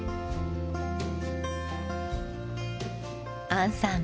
杏さん